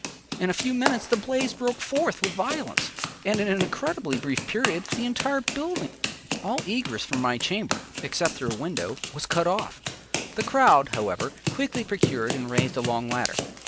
In a few minutes the blaze broke forth with violence, and in an incredibly brief period the entire building was wrapped in flames. All egress from my chamber, except through a window, was cut off. The crowd, however, quickly procured and raised a long ladder.